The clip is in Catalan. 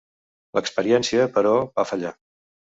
L'experiència, però, va fallar.